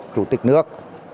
chủ tịch nước